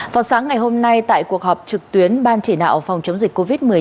vào sáng ngày hôm nay tại cuộc họp trực tuyến ban chỉ đạo phòng chống dịch covid một mươi chín